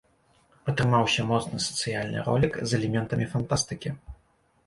Атрымаўся моцны сацыяльны ролік з элементамі фантастыкі.